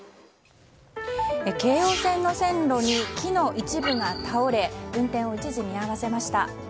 京王線の線路に木の一部が倒れ運転を一時見合わせました。